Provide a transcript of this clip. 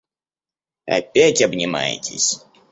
Опять обнимаетесь?